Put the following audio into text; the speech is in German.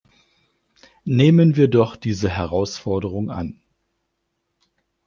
Nehmen wir doch diese Herausforderung an!